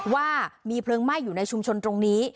ว่ามีเพลิงไหม้อยู่ในชุมชนตรงนี้